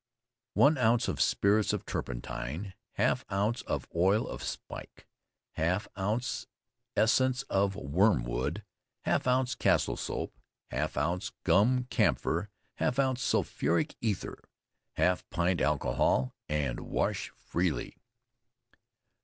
One ounce of spirits of turpentine, half ounce of oil of spike, half ounce essence of wormwood, half ounce castile soap, half ounce gum camphor, half ounce sulphuric ether, half pint alcohol, and wash freely.